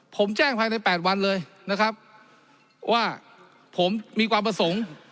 ผมแจ้งภายใน๘วันเลยนะครับว่าผมมีความประสงค์